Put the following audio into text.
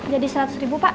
jadi rp seratus pak